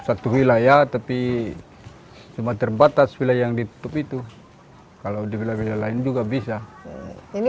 satu wilayah tapi cuma terbatas wilayah yang ditutup itu kalau di wilayah wilayah lain juga bisa